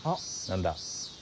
何だ。